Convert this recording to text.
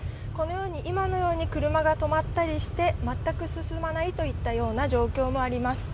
このように車が止まったりして全く進まないという状況もあります。